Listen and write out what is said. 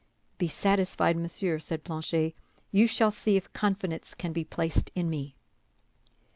"Be satisfied, monsieur," said Planchet, "you shall see if confidence can be placed in me."